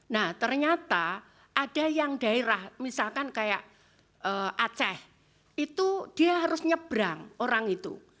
nah ternyata ada yang daerah misalkan kayak aceh itu dia harus nyebrang orang itu